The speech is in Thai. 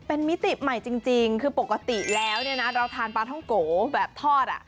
เป็นมิติใหม่จริงคือปกติแล้วเราทานปลาท่องโกะแบบทอด